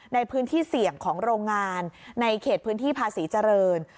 ในพื้นที่เสี่ยงของโรงงานในเขตพื้นที่ภาษีเจริญ